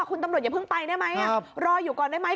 คุณตำรวจอย่าเพิ่งไปได้ไหมรออยู่ก่อนได้ไหม